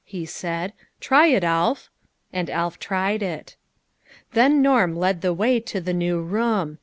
" he said. " Try it, Alf." And Alf tried it. Then Norm led the way to the new room.